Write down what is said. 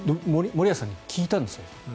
森保さんに聞いたんです。